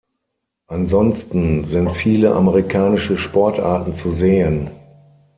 Ansonsten sind viele amerikanische Sportarten zu sehen.